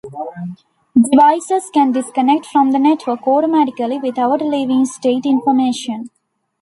Devices can disconnect from the network automatically without leaving state information.